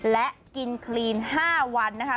และกินคลีน๕วัน